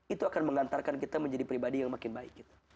itu akan mengantarkan kita menjadi pribadi yang makin baik